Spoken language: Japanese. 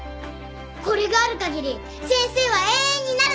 これがあるかぎり先生は永遠になるの言いなり！